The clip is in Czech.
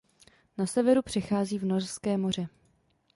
Na severu přechází v Norské moře.